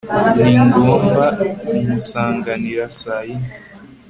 ningomba kumusanganira saa yine